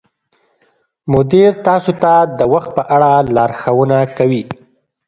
مدیر تاسو ته د وخت په اړه لارښوونه کوي.